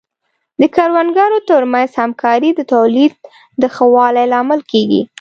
د کروندګرو ترمنځ همکاري د تولید د ښه والي لامل کیږي.